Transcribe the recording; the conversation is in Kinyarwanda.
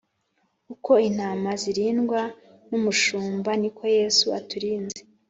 Uko intama zirindwa n’umushumba niko Yesu aturinze